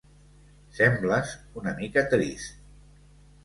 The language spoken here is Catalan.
Sembles una mica trist.